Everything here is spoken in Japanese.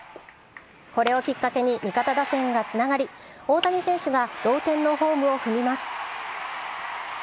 これをきっかけに、味方打線がつながり、大谷選手が同点のホームを踏みます。